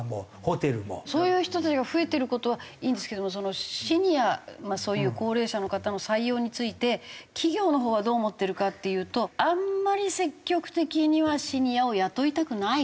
そういう人たちが増えてる事はいいんですけどもシニアそういう高齢者の方の採用について企業のほうはどう思ってるかっていうとあんまり積極的にはシニアを雇いたくないという。